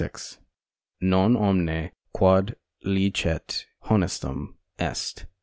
Non omne quod licet honestum est. D.